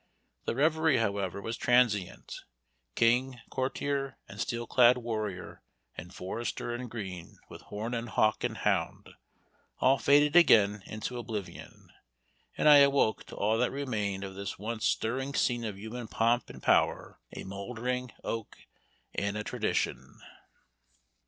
The reverie however was transient; king, courtier, and steel clad warrior, and forester in green, with horn, and hawk, and hound, all faded again into oblivion, and I awoke to all that remained of this once stirring scene of human pomp and power a mouldering oak, and a tradition.